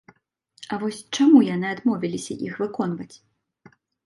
А вось чаму яны адмовіліся іх выконваць?